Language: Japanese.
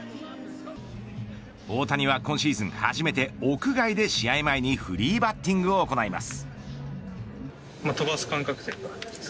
大谷は、今シーズン初めて屋外で試合前にフリーバッティングを行います。